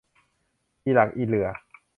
อีหลักอีเหลื่อ